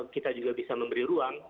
kita juga bisa memberi ruang